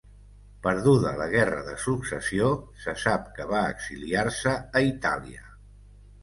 Perduda la guerra de successió se sap que va exiliar-se a Itàlia.